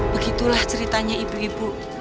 begitulah ceritanya ibu ibu